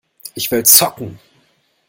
Ich will zocken!